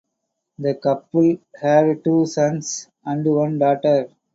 The couple had two sons and one daughter.